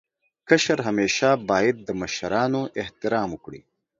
کشر همېشه باید د مشرانو احترام وکړي.